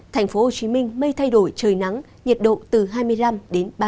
thành phố hồ chí minh mây thay đổi trời nắng nhiệt độ từ hai mươi năm đến ba mươi độ